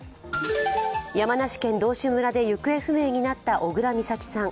山梨県道志村で行方不明になった小倉美咲さん。